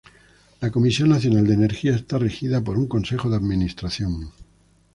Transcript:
La Comisión Nacional de Energía está regida por un Consejo de Administración.